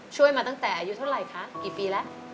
มาตั้งแต่อายุเท่าไหร่คะกี่ปีแล้ว